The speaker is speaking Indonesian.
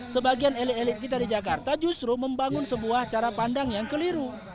sebagian elit elit kita di jakarta justru membangun sebuah cara pandang yang keliru